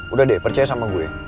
udah deh percaya sama gue